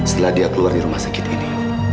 setelah dia keluar di rumah sakit ini